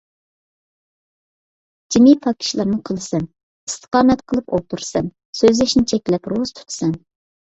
جىمى پاك ئىشلارنى قىلىسەن، ئىستىقامەت قىلىپ ئولتۇرىسەن، سۆزلەشنى چەكلەپ، روزا تۇتىسەن.